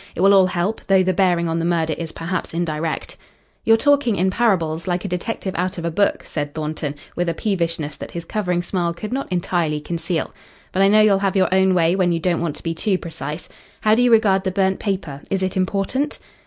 It will all help, though the bearing on the murder is perhaps indirect." "You're talking in parables, like a detective out of a book," said Thornton, with a peevishness that his covering smile could not entirely conceal. "But I know you'll have your own way when you don't want to be too precise. How do you regard the burnt paper? Is it important?"